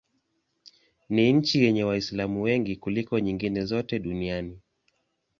Ni nchi yenye Waislamu wengi kuliko nyingine zote duniani.